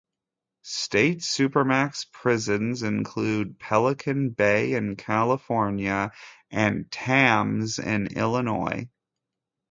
State supermax prisons include Pelican Bay in California and Tamms in Illinois.